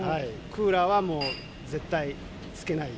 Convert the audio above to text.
クーラーはもう、絶対つけない。